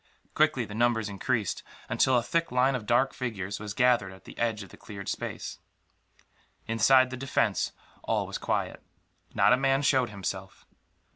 Quickly the numbers increased, until a thick line of dark figures was gathered at the edge of the cleared space. Inside the defence, all was quiet. Not a man showed himself.